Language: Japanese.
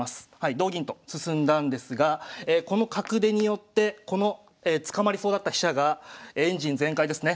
同銀と進んだんですがこの角出によってこの捕まりそうだった飛車がエンジン全開ですね。